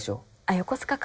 横須賀か。